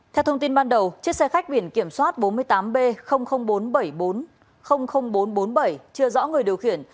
theo thông tin ban đầu chiếc xe khách biển kiểm soát bốn mươi tám b bốn trăm bảy mươi bảy chưa rõ người điều khiển